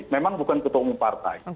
memang bukan ketua umum partai